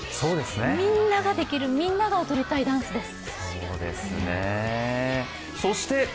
みんなができる、みんなが踊りたいダンスです。